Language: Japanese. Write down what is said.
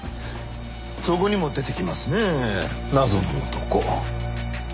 そこにも出てきますね謎の男。